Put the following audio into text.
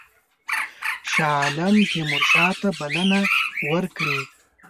شاه عالم تیمورشاه ته بلنه ورکړې.